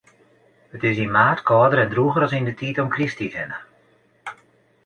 It is yn maart kâlder en drûger as yn 'e tiid om Krysttiid hinne.